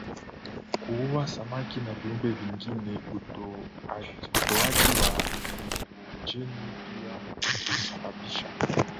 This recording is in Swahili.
kuua samaki na viumbe vingine Utoaji wa nitrojeni pia husababisha